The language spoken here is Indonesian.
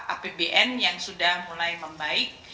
apbn yang sudah mulai membaik